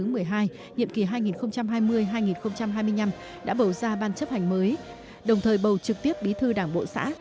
nhiệm kỳ hai nghìn hai mươi hai nghìn hai mươi năm đã bầu ra ban chấp hành mới đồng thời bầu trực tiếp bí thư đảng bộ xã